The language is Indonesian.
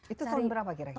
itu turun berapa kira kira